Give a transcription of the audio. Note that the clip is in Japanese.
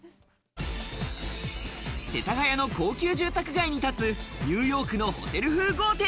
世田谷の高級住宅街に立つニューヨークのホテル風豪邸。